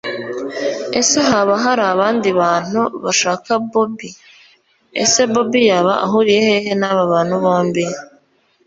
ese haba harabandi bantu bashaka bobi!, ese bobi yaba ahuriye hehe naba bantu bombi!!